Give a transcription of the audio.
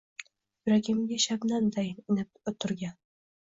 Yuragimga shabnamdayin inib turgan